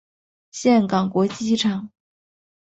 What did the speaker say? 岘港国际机场。